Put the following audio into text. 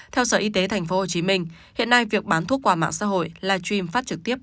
theo sở y tế tp hcm hiện nay việc bán thuốc qua mạng xã hội live stream phát trực tiếp